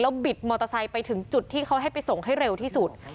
บิดมอเตอร์ไซค์ไปถึงจุดที่เขาให้ไปส่งให้เร็วที่สุด